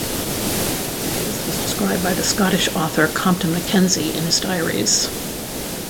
This was described by the Scottish author Compton Mackenzie in his diaries.